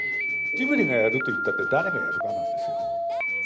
ジブリがやるといったって、誰がやるかなんですよ。